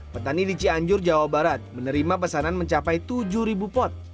petani di cianjur jawa barat menerima pesanan mencapai tujuh pot